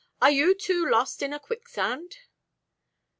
"Are you two lost in a quicksand?"